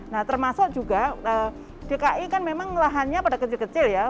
nah termasuk juga dki kan memang lahannya pada kecil kecil ya